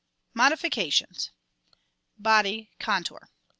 Modifications Body Contour.